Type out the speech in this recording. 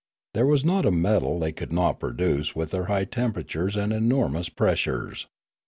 There was not a metal they could not produce with their high temperatures and enormous pressures.